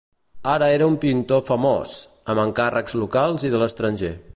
Ara era un pintor famós, amb encàrrecs locals i de l'estranger.